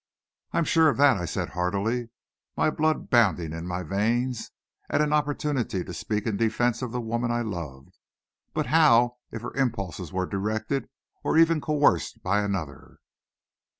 "I'm sure of that," I said heartily, my blood bounding in my veins at an opportunity to speak in defense of the woman I loved. "But how if her impulses were directed, or even coerced, by another?"